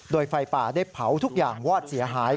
โดยไฟป่าได้เผาทุกอย่างวอดเสียหาย